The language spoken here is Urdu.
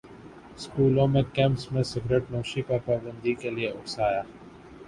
سکولوں کو کیمپس میں سگرٹنوشی پر پابندی کے لیے اکسایا